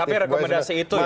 tapi rekomendasi itu ya